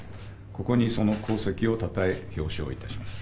ここにその功績をたたえ、表彰いたします。